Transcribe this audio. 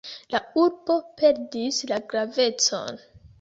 La urbo perdis la gravecon.